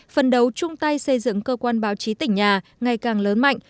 phần đấu chung tay xây dựng cơ quan báo chí tỉnh nhà ngày càng lớn mạnh